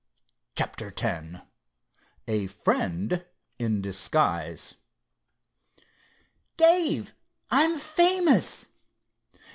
CHAPTER X A FRIEND IN DISGUISE "Dave, I'm famous!"